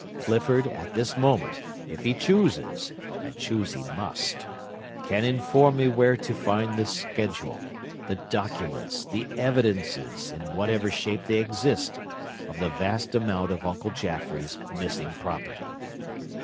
Clifford, at this moment, if he chooses,—and choose he must!—can inform me where to find the schedule, the documents, the evidences, in whatever shape they exist, of the vast amount of Uncle Jaffrey's missing property.